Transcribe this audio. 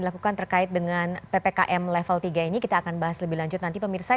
dilakukan terkait dengan ppkm level tiga ini kita akan bahas lebih lanjut nanti pemirsa